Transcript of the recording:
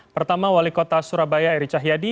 pertama wali kota surabaya eri cahyadi